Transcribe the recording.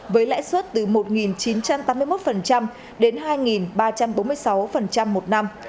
với lãi suất từ một chín trăm tám mươi một đến hai ba trăm bốn mươi sáu một năm